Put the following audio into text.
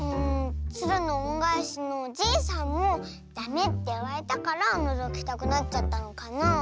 「つるのおんがえし」のおじいさんもダメっていわれたからのぞきたくなっちゃったのかなあ。